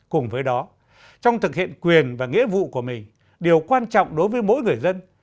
cùng với đó trong thực hiện quyền và nghĩa vụ của mình điều quan trọng đối với mỗi người dân